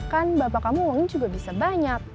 kan bapak kamu uangnya juga bisa banyak